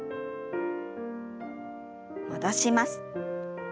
戻します。